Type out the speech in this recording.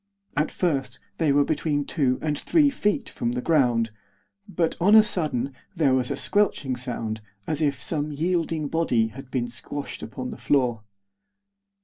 At first they were between two and three feet from the ground; but, on a sudden, there was a squelching sound, as if some yielding body had been squashed upon the floor.